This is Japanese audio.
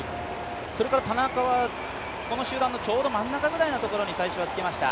それから田中はこの集団のちょうど真ん中ぐらいのところにつけました。